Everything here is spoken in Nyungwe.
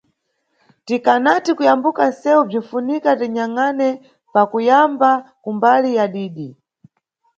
Tikanati kuyambuka nʼsewu, bzinʼfunika tinyangʼane pakuyamba kumbali ya didi.